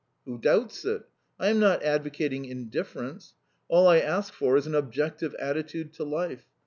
"Who doubts it! I am not advocating indifference; all I ask for is an objective attitude to life.